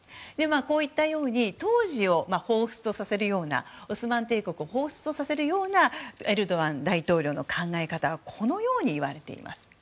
こうしたように当時をほうふつとさせるようなオスマン帝国をほうふつとさせるようなエルドアン大統領の考え方がこのように、いわれています。